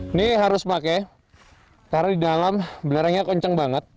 ini harus pakai karena di dalam belerangnya kenceng banget